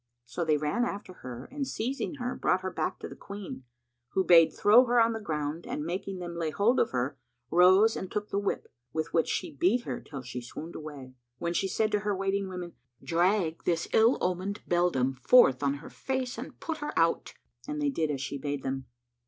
So they ran after her and seizing her, brought her back to the Queen, who bade throw her on the ground and making them lay hold of her, rose and took the whip, with which she beat her, till she swooned away, when she said to her waiting women, "Drag this ill omened beldam forth on her face and put her out." And they did as she bade them.